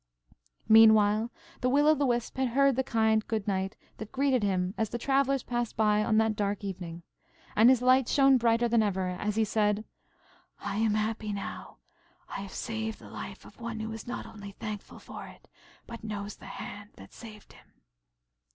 Meanwhile the Will o' the Wisp had heard the kind good night that greeted him as the travellers passed by on that dark evening. And his light shone brighter than ever, as he said, "I am happy now. I have saved the life of one who not only is thankful for it, but knows the hand that saved him."